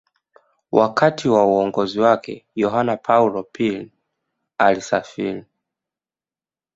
Wakati wa uongozi wake Yohane Paulo pili alisafiri